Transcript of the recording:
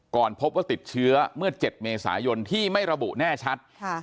ก่อนพบว่าติดเชื้อเมื่อ๗เมษายนที่ไม่ระบุแน่ชัด